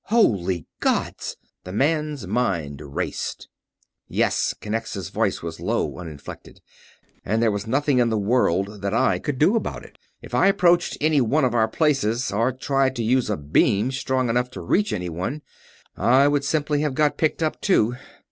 Holy gods!" The man's mind raced. "Yes." Kinnexa's voice was low, uninflected. "And there was nothing in the world that I could do about it. If I approached any one of our places, or tried to use a beam strong enough to reach anywhere, I would simply have got picked up, too.